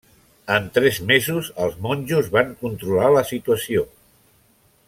En tres mesos els monjos van controlar la situació.